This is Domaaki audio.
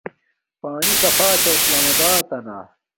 پانی صافا چھا اسلام آباتنا